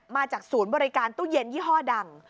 มาจากศูนย์บริการตู้เย็นยี่ห้อดัง